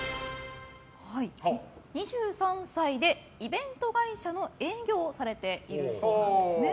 ２３歳でイベント会社の営業をされているそうなんですね。